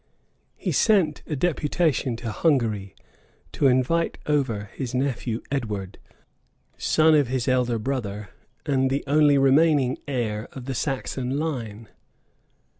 He sent a deputation to Hungary, to invite over his nephew Edward, son of his elder brother, and the only remaining heir of the Saxon line.